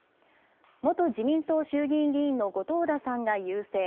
元自民党衆議院議員の後藤田さんが優勢。